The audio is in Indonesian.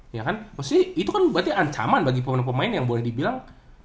ya kan maksudnya itu kan berarti ancaman bagi pemain pemain yang boleh dibilang